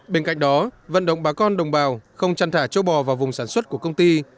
bên cạnh đó vận động bà con đồng bào không chăn thả châu bò vào vùng sản xuất của công ty